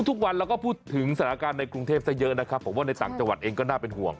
ทุกวันเราก็พูดถึงสถานการณ์ในกรุงเทพซะเยอะนะครับผมว่าในต่างจังหวัดเองก็น่าเป็นห่วง